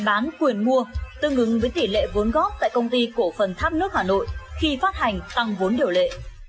bán quyền mua tương ứng với tỷ lệ vốn góp tại công ty cổ phần tháp nước hà nội khi phát hành tăng vốn điều lệ